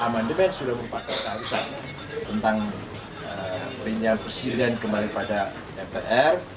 amandemen sudah merupakan keharusan tentang perintah presiden kembali pada mpr